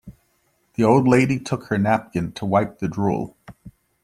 The old lady took her napkin to wipe the drool.